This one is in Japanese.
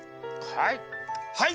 はい。